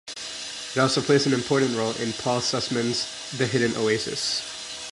It also plays an important role in Paul Sussman's "The Hidden Oasis".